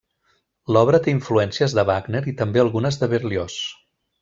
L’obra té influències de Wagner i també algunes de Berlioz.